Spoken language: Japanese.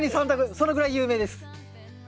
そのぐらい有名です。